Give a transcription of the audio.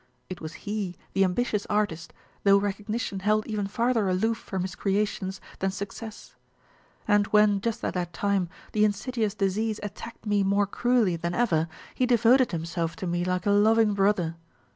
It was he, the ambitious artist, though recognition held even farther aloof from his creations than success. And when, just at that time, the insidious disease attacked me more cruelly than ever, he devoted himself to me like a loving brother.